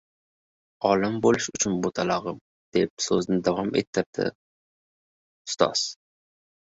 – Olim boʻlish uchun, boʻtalogʻim, – deb soʻzida davom etdi ustoz